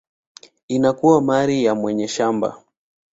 inakuwa mali ya mwenye shamba.